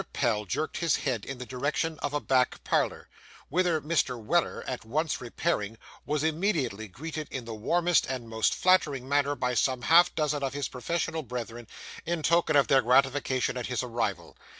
Pell jerked his head in the direction of a back parlour, whither Mr. Weller at once repairing, was immediately greeted in the warmest and most flattering manner by some half dozen of his professional brethren, in token of their gratification at his arrival.